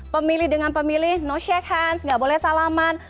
pemilih dengan pemilih no shake hands nggak boleh salaman